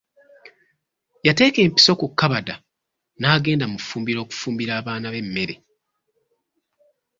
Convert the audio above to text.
Yateeka empiso ku kkabada n'agenda mu ffumbiro okufumbira abaana be emmere.